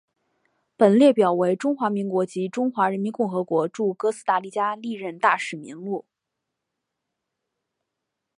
本列表为中华民国及中华人民共和国驻哥斯达黎加历任大使名录。